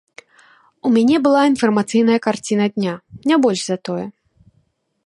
У мяне была інфармацыйная карціна дня, не больш за тое.